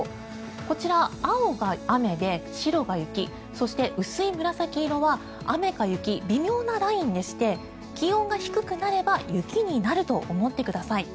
こちら、青が雨で白が雪そして薄い紫色は雨か雪微妙なラインでして気温が低くなれば雪になると思ってください。